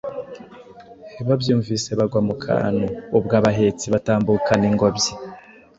babyumvise bagwa mu kantu. Ubwo abahetsi batambukana ingobyi,